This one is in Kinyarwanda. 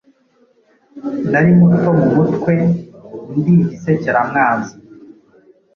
Nari muto mu mutwe ndi igisekera mwanzi